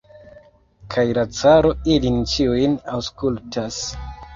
Kaj la caro ilin ĉiujn aŭskultas.